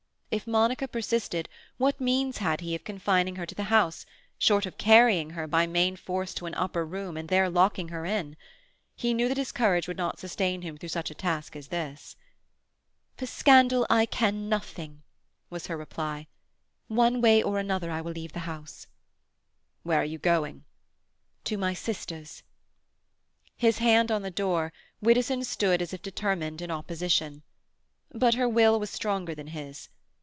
If Monica persisted, what means had he of confining her to the house—short of carrying her by main force to an upper room and there locking her in? He knew that his courage would not sustain him through such a task as this. "For scandal I care nothing," was her reply. "One way or another I will leave the house." "Where are you going?" "To my sister's." His hand on the door, Widdowson stood as if determined in opposition. But her will was stronger than his.